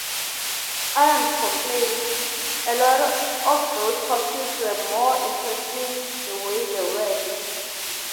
Addams complained: A lot of those corpses were more interesting the way they were.